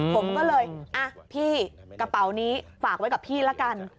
ผมก็เลยอ่ะพี่กระเป๋านี้ฝากไว้กับพี่ละกัน